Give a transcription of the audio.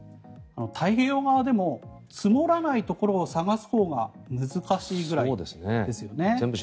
太平洋側でも積もらないところを探すほうが全部白いですね。